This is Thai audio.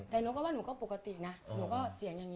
แต่หนูก็ว่าหนูก็ปกตินะหนูก็เสียงอย่างนี้